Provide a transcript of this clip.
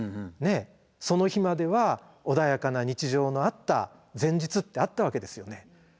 ねえその日までは穏やかな日常のあった前日ってあったわけですよね。